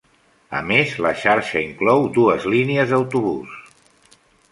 A més la xarxa inclou dues línies d'autobús.